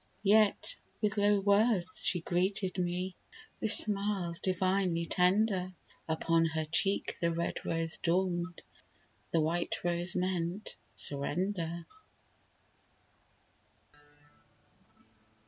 Yet with low words she greeted me, With smiles divinely tender; Upon her cheek the red rose dawned, The white rose meant surrender.